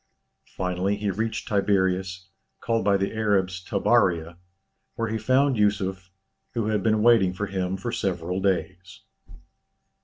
Finally he reached Tiberias, called by the Arabs Tabaria, where he found Yusuf, who had been waiting for him for several days.